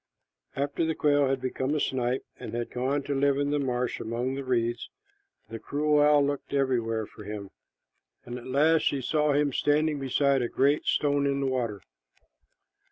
After the quail had become a snipe and had gone to live in the marsh among the reeds, the cruel owl looked everywhere for him, and at last she saw him standing beside a great stone in the water.